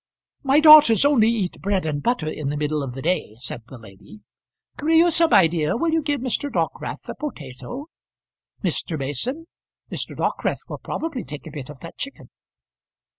"My daughters only eat bread and butter in the middle of the day," said the lady. "Creusa, my dear, will you give Mr. Dockwrath a potato. Mr. Mason, Mr. Dockwrath will probably take a bit of that chicken."